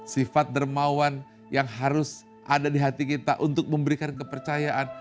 sifat dermawan yang harus ada di hati kita untuk memberikan kepercayaan